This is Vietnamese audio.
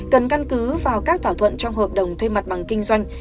cần căn cứ vào các thỏa thuận trong hợp đồng thuê mặt bằng kinh doanh